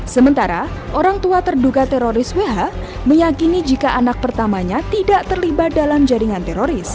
sementara orang tua terduga teroris who meyakini jika anak pertamanya tidak terlibat dalam jaringan teroris